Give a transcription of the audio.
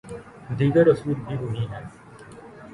دیگر اصول بھی وہی ہیں۔